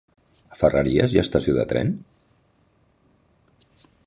A Ferreries hi ha estació de tren?